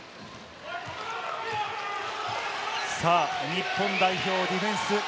日本代表、ディフェンス。